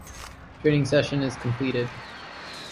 Training session is completed.